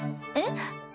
えっ？